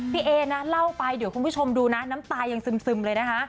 เอนะเล่าไปเดี๋ยวคุณผู้ชมดูนะน้ำตายังซึมเลยนะคะ